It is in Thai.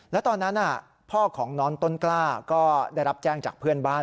แล้วตอนนั้นพ่อของน้องต้นกล้าก็ได้รับแจ้งจากเพื่อนบ้าน